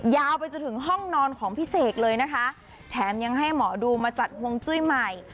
ยาวไปจนถึงห้องนอนของพี่เสกเลยนะคะแถมยังให้หมอดูมาจัดฮวงจุ้ยใหม่